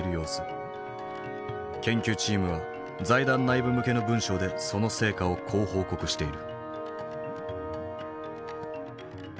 研究チームは財団内部向けの文書でその成果をこう報告している。